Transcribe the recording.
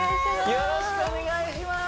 よろしくお願いします